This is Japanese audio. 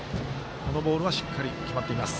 このボールはしっかり決まっています。